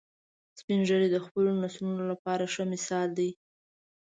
سپین ږیری د خپلو نسلونو لپاره ښه مثال دي